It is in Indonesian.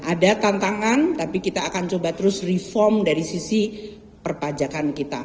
ada tantangan tapi kita akan coba terus reform dari sisi perpajakan kita